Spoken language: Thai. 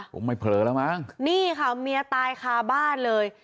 คงไม่เผลอแล้วมั้งนี่ค่ะเมียตายคาบ้านเลย